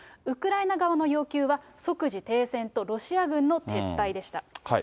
ウクライナ側の要求は、即時停戦と、ロシア軍の撤退でした。